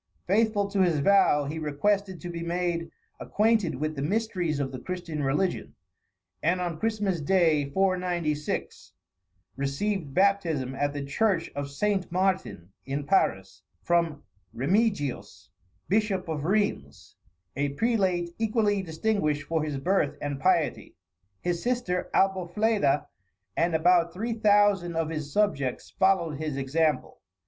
Faithful to his vow, he requested to be made acquainted with the mysteries of the Christian religion; and on Christmas day, 496, received baptism at the church of St. Martin, in Paris, from Remigius, Bishop of Rheims, a prelate equally distinguished for his birth and piety. His sister Albofleda, and about three thousand of his subjects, followed his example.